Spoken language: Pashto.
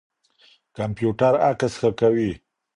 کمپيوټر عکس ښه کوي.